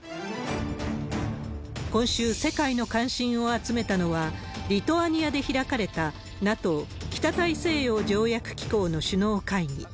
今週、世界の関心を集めたのは、リトアニアで開かれたＮＡＴＯ・北大西洋条約機構の首脳会議。